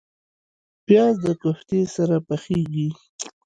پیاز د کوفتې سره پخیږي